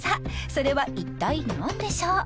それは一体何でしょう？